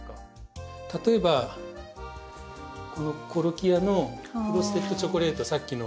例えばこのコロキアのフロステッドチョコレートさっきの。